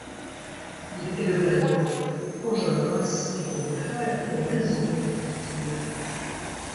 Il éleva la voix :— Enjolras et Combeferre ont raison, dit-il ;